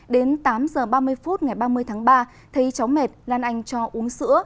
đến tám h ba mươi phút ngày ba mươi tháng ba thấy cháu mệt lan anh cho uống sữa